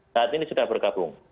saat ini sudah bergabung